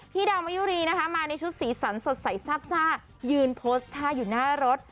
ดาวมะยุรีนะคะมาในชุดสีสันสดใสซาบซ่ายืนโพสต์ท่าอยู่หน้ารถ